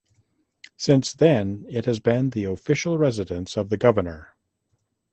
Since then it has been the official residence of the governor.